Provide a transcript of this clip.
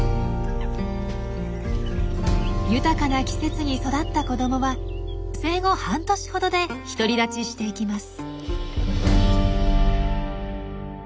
豊かな季節に育った子どもは生後半年ほどで独り立ちしていきます。